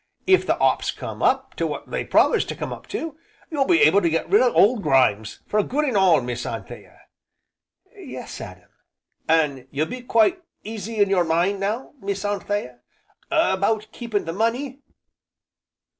"If the 'ops comes up to what they promise to come up to, you'll be able to get rid of Old Grimes for good an' all, Miss Anthea." "Yes, Adam." "An' you be quite easy in your mind, now, Miss Anthea about keepin' the money?"